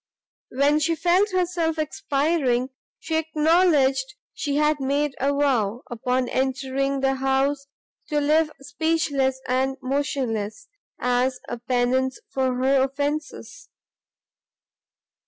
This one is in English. "When she felt herself expiring, she acknowledged she had made a vow, upon entering the house, to live speechless and motionless, as a pennance for her offences!